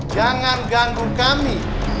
jangan ganggu kami